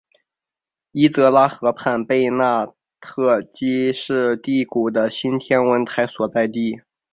伊泽拉河畔贝纳特基是第谷的新天文台所在地。